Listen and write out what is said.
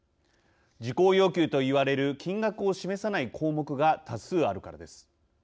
「事項要求」と言われる金額を示さない項目が多数あるからです。